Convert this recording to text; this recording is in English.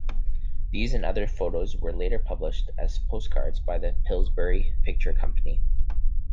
These and other photos were later published as postcards by the Pillsbury Picture Company.